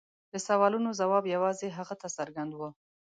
د سوالونو ځواب یوازې هغه ته څرګند و.